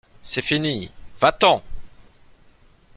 C’est fini, va-t’en!...